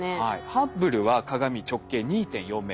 ハッブルは鏡直径２．４ｍ。